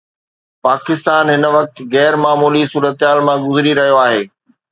پاڪستان هن وقت غير معمولي صورتحال مان گذري رهيو آهي.